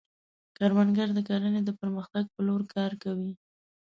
کروندګر د کرنې د پرمختګ په لور کار کوي